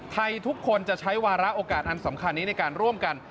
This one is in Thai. ทุกคนจะใช้วาระโอกาสอันสำคัญนี้ในการร่วมกัน